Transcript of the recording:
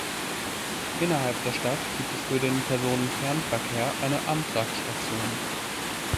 Innerhalb der Stadt gibt es für den Personenfernverkehr eine Amtrak-Station.